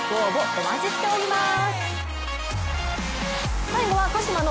お待ちしています。